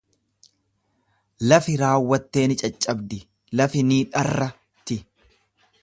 Lafi raawwattee in caccabdi, lafi in dharra'ti.